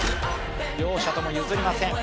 両者とも譲りません。